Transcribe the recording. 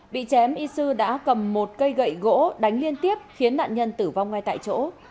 bị chém y sư đã cầm một cây gậy gỗ đánh liên tiếp khiến nạn nhân tử vong ngay tại chỗ